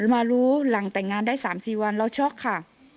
มารู้หลังแต่งงานได้๓๔วันเราช็อกค่ะ